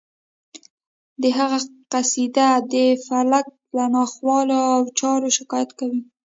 د هغه قصیده د فلک له ناخوالو او چارو شکایت کوي